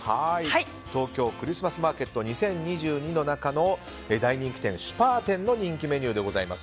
東京クリスマスマーケット２０２２の中の大人気店シュパーテンの人気メニューです。